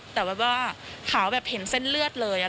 แต่แบบว่าขาวแบบเห็นเส้นเลือดเลย